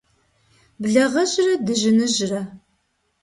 Благъэжьрэ дыжьыныжьрэ.